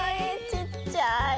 ちっちゃい。